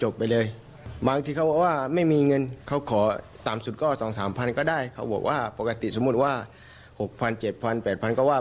บางทีเราก็ไม่มีขายไม่ได้ไม่มีคนอย่างนี้